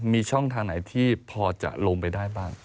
มีช่องทางไหนที่พอจะลงไปได้บ้าง